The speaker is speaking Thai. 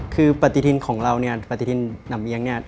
คือปฏิทินของเราเนี่ยปฏิทินหนำเลี้ยงเนี่ย